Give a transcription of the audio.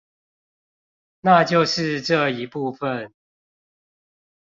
那就是這一部分